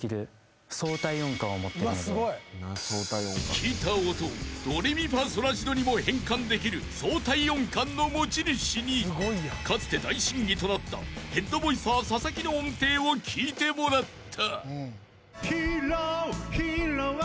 ［聞いた音をドレミファソラシドにも変換できる相対音感の持ち主にかつて大審議となったヘッドボイサー・ササキの音程を聞いてもらった］